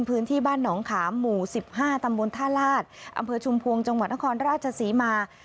พื้นที่บ้านหนองขามหมู่๑๕ตำบลท่าลาศอำเภอชุมพวงจังหวัดนครราชศรีมา